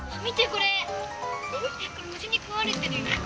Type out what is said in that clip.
これむしにくわれてるよ！